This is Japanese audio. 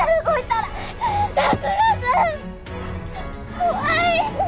怖い！